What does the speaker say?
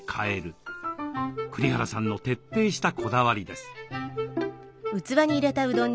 栗原さんの徹底したこだわりです。